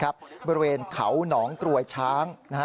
บริเวณเขาหนองกรวยช้าง